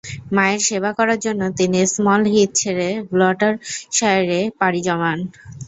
মায়ের সেবা করার জন্য তিনি স্মল হিথ ছেড়ে গ্লস্টারশায়ারে পাড়ি জমান।